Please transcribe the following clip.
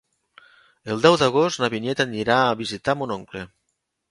El deu d'agost na Vinyet anirà a visitar mon oncle.